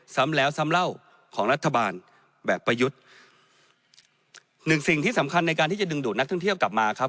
ซ้ำแล้วซ้ำเล่าของรัฐบาลแบบประยุทธ์หนึ่งสิ่งที่สำคัญในการที่จะดึงดูดนักท่องเที่ยวกลับมาครับ